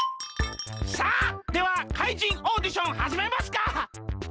さあでは怪人オーディションはじめますか！